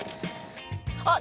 あっ！